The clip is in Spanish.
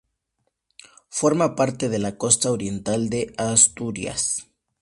Forma parte de la Costa oriental de Asturias.